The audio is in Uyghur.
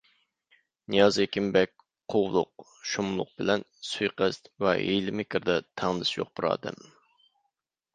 نىياز ھېكىمبەگ قۇۋلۇق، شۇملۇق بىلەن سۇيىقەست ۋە ھىيلە مىكىردە تەڭدىشى يوق بىر ئادەم.